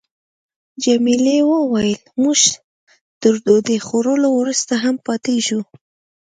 جميلې وويل: موږ تر ډوډۍ خوړلو وروسته هم پاتېږو.